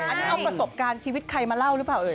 อันนี้เอาประสบการณ์ชีวิตใครมาเล่าหรือเปล่าเอ่